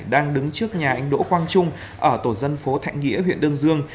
đang đứng trước nhà anh đỗ quang trung ở tổ dân phố thạnh nghĩa huyện đơn dương